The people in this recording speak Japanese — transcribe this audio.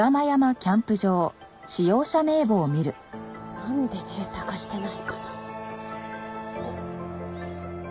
なんでデータ化してないかな。